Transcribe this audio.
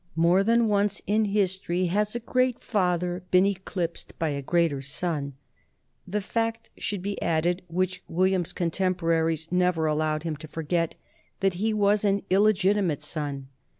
More than once in history has a great father been eclipsed by a greater son. The fact should be added, which William's contemporaries never al lowed him to forget, that he was an illegitimate son.